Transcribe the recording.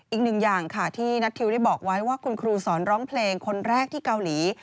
อีกหนึ่งอย่างค่ะที่นัททิวได้บอกไว้ว่าคุณครูสอนร้องเพลงคนแรกที่เกาหลี